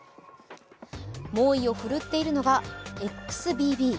猛威を振るっているのがＸＢＢ。